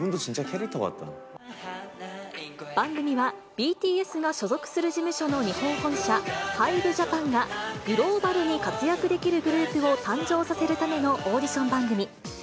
番組は、ＢＴＳが所属する事務所の日本本社、ＨＹＢＥＪＡＰＡＮがグローバルに活躍できるグループを誕生させるためのオーディション番組。